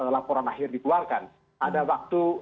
laporan akhir dikeluarkan ada waktu